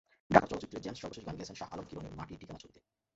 ঢাকার চলচ্চিত্রে জেমস সর্বশেষ গান গেয়েছেন শাহ আলম কিরণের মাটির ঠিকানা ছবিতে।